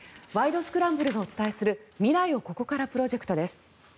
スクランブル」がお伝えする未来をここからプロジェクトです。